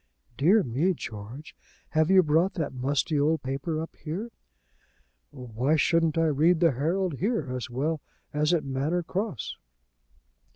"Dear me, George, have you brought that musty old paper up here?" "Why shouldn't I read the Herald here, as well as at Manor Cross?"